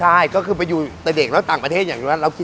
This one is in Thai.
อะไรยังไง